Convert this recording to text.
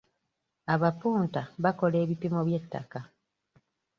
Abapunta bakola ebipimo by'ettaka.